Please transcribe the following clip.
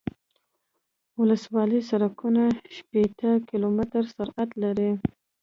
ولسوالي سرکونه شپیته کیلومتره سرعت لري